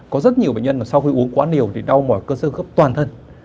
có rất nhiều bệnh nhân mà sau khi uống quá nhiều thì đau mỏi cơ xương khớp toàn thân